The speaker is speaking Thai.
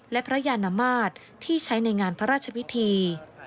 และพระยานมาตรที่ใช้ในงานพระราชพิธี